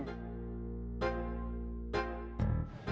tapi saya butuh uang buat bayar kontrakan